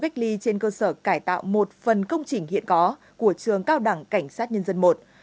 khu cách ly trên cơ sở cải tạo một phần công chỉnh hiện có của trường cao đẳng cảnh sát nhân dân một